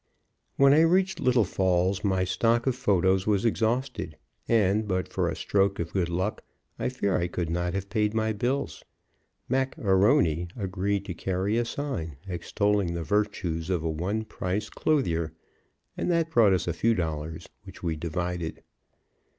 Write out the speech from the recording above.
When I reached Little Falls my stock of photos was exhausted, and, but for a stroke of good luck, I fear I could not have paid my bills. Mac A'Rony agreed to carry a sign extolling the virtues of a one price clothier, and that brought us a few dollars, which we divided.